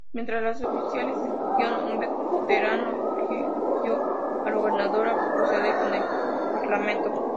Mientras los oficiales discutían, un veterano urgió al gobernador a proceder con el parlamento.